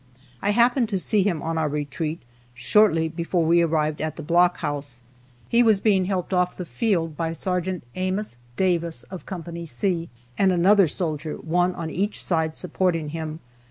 I happened to see him on our retreat, shortly before we arrived at the blockhouse. He was being helped off the field by Sergt. Amos Davis of Co. C and another soldier, one on each side, supporting him.